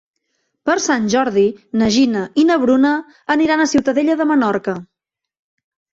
Per Sant Jordi na Gina i na Bruna aniran a Ciutadella de Menorca.